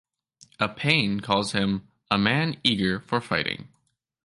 Appian calls him "a man eager for fighting".